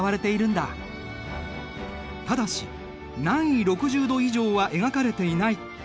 ただし南緯６０度以上は描かれていない。